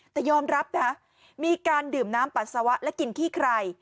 แต่ยอมรับนะมีการดื่มน้ำปัสสาวะและกินขี้ใคร